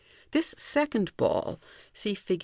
This second ball (see Figs.